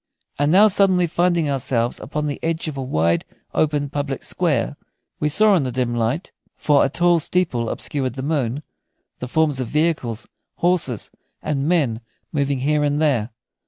And now suddenly finding ourselves upon the edge of a wide, open public square, we saw in the dim light for a tall steeple obscured the moon the forms of vehicles, horses, and men moving here and there.